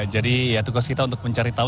jadi tugas kita untuk mencari tahu